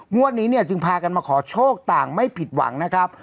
งวดนี้เนี่ยจึงพากันมาขอโชคต่างไม่ผิดหวังนะครับ